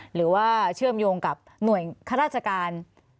หรือว่าเชื่อมโยงกับหน่วยข้าราชการ